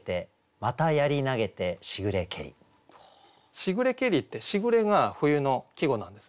「しぐれけり」って「時雨」が冬の季語なんですね。